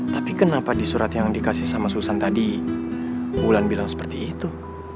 tapi kenapa di surat yang dikasih sama susan tadi wulan bilang seperti itu